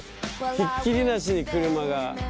ひっきりなしに車が。